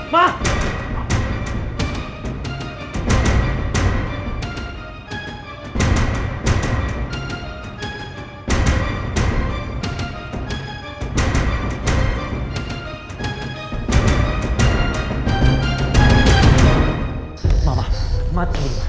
ma tunggu dulu ma